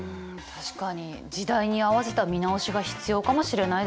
確かに時代に合わせた見直しが必要かもしれないですね。